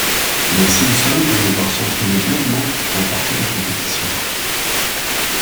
Les Simpson vont devoir s'entraîner durement pour remporter la compétition.